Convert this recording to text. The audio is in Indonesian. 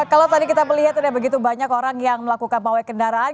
kalau tadi kita melihat sudah begitu banyak orang yang melakukan pawai kendaraan